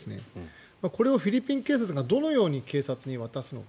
これをフィリピン警察がどのように警察に渡すのか。